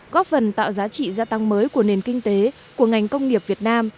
góp phần tạo giá trị gia tăng mới của nền kinh tế của ngành công nghiệp việt nam